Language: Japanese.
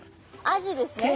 アジですね。